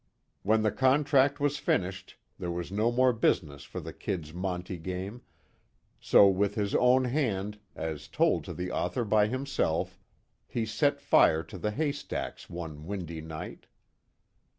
When the contract was finished, there was no more business for the "Kid's" monte game, so with his own hand, as told to the author by himself, he set fire to the hay stacks one windy night.